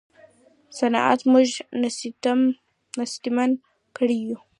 صنعت موږ نېستمن کړي یو.